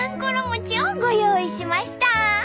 餅をご用意しました。